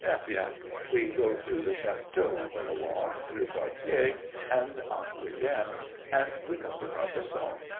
Eh bien, we go through the châteaux of the Loire, through Poitiers and Angoulême, and we come to Carcassonne.